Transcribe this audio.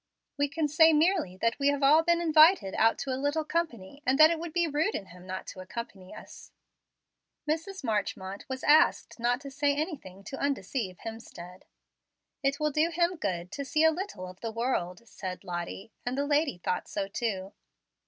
We can say merely that we have all been invited out to a little company, and that it would be rude in him not to accompany us." Mrs. Marchmont was asked not to say anything to undeceive Hemstead. "It will do him good to see a little of the world," said Lottie; and the lady thought so too.